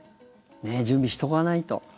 準備しておかないと。